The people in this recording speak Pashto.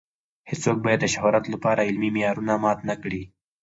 هیڅوک باید د شهرت لپاره علمي معیارونه مات نه کړي.